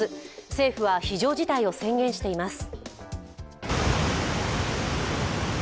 政府は非常事態を宣言しています。